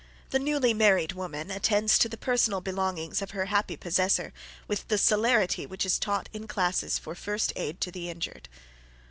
The newly married woman attends to the personal belongings of her happy possessor with the celerity which is taught in classes for "First Aid to the Injured."